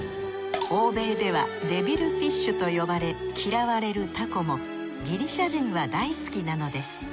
欧米ではデビルフィッシュと呼ばれ嫌われるタコもギリシャ人は大好きなのです。